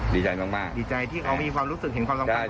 ดีใจที่เขามีความรู้สึกเห็นความรับความสำคัญของเราใช่ไหม